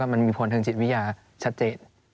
มันมีผลทางจิตวิทยาชัดเจน